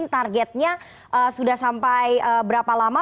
targetnya sudah sampai berapa lama